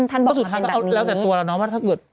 เพราะสุดท้ายก็แล้วแต่ตัวเราเนาะว่าถ้าเกิด